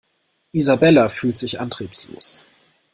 Isabella fühlt sich antriebslos.